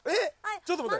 ちょっと待って。